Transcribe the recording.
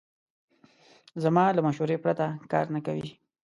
زما له مشورې پرته کار نه کوي.